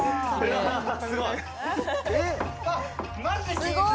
すごい。